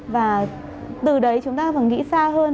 và từ đấy chúng ta phải nghĩ xa hơn